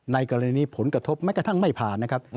ในกรณีผลกระทบแม้กระทั่งไม่ผ่านนะครับ